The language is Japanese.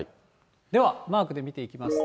ではマークで見ていきます。